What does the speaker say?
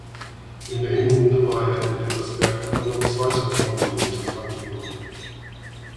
In der Hinrunde war er in Elversberg aber nur zweiter Tormann hinter Frank Lehmann.